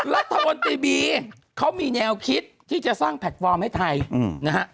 รัฐมนตรีบีเขามีแนวคิดที่จะสร้างแพลตฟอร์มให้ไทยนะฮะ